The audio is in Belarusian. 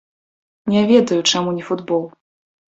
Не ведаю, чаму не футбол.